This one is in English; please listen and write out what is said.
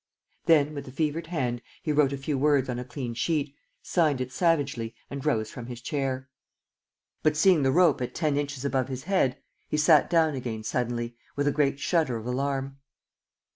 Then, with a fevered hand, he wrote a few words on a clean sheet, signed it savagely and rose from his chair. But, seeing the rope at ten inches above his head, he sat down again suddenly with a great shudder of alarm.